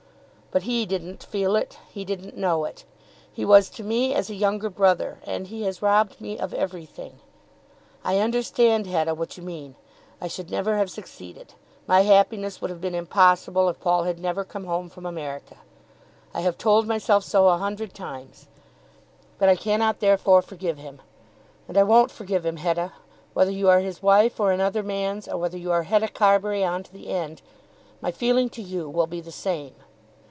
But he didn't feel it. He didn't know it. He was to me as a younger brother, and he has robbed me of everything. I understand, Hetta, what you mean. I should never have succeeded! My happiness would have been impossible if Paul had never come home from America. I have told myself so a hundred times, but I cannot therefore forgive him. And I won't forgive him, Hetta. Whether you are his wife, or another man's, or whether you are Hetta Carbury on to the end, my feeling to you will be the same.